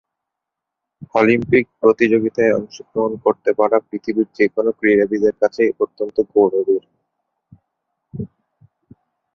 Olympic প্রতিযোগিতায় অংশগ্রহণ করতে পারা পৃথিবীর যে কোন ক্রীড়াবিদের কাছেই অত্যন্ত গৌরবের।